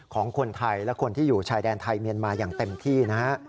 ของคนไทยและคนที่อยู่ชายแดนไทยเมียนมาอย่างเต็มที่นะฮะ